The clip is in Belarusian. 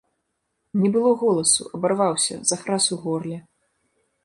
Не было голасу, абарваўся, захрас у горле.